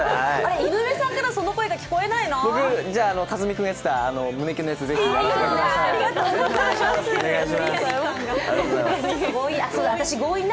井上さんからはその声が聞こえないな。